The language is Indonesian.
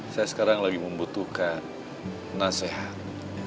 saya sekarang lagi membutuhkan nasihat